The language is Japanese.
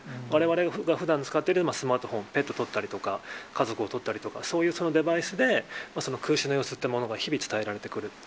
われわれが、ふだん使っているスマートフォン、ペット撮ったりとか、家族を撮ったりとか、そういうデバイスで、空襲の様子というものが日々伝えられてくる。